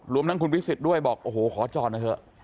รวมทั้งคุณพิษศิษฐ์ด้วยบอกโอ้โหขอจอดนะเถอะ